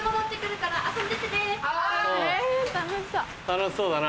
楽しそうだな。